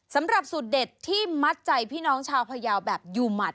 สำหรับสูตรเด็ดที่มัดใจพี่น้องชาวพยาวแบบยูหมัด